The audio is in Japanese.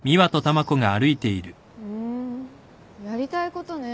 ふんやりたいことね。